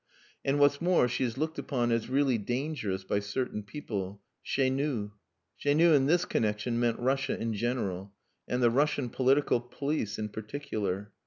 And what's more, she is looked upon as really dangerous by certain people chez nous." Chez nous in this connexion meant Russia in general, and the Russian political police in particular.